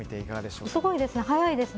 すごいです。